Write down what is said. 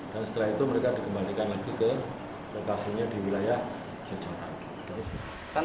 dan setelah itu mereka dikembalikan lagi ke lokasinya di wilayah jocorak